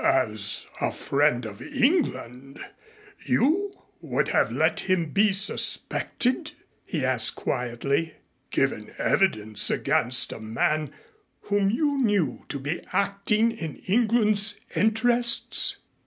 "As a friend of England you would have let him be suspected?" he asked quietly. "Given evidence against a man whom you knew to be acting in England's interests?"